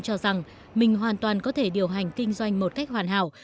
cho rằng mình hoàn toàn có thể điều hành kinh doanh một cách hoàn hảo